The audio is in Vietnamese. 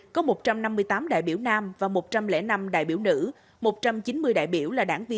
có một trăm năm mươi tám đại biểu nam và một trăm linh năm đại biểu nữ